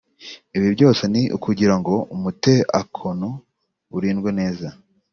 Ibi byose ni ukugira ngo umuteakono urindwe neza